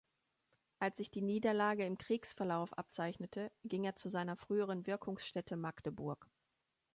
Als sich die Niederlage im Kriegsverlauf abzeichnete, ging er zu seiner früheren Wirkungsstätte Magdeburg.